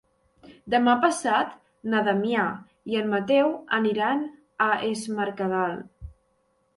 Demà passat na Damià i en Mateu aniran a Es Mercadal.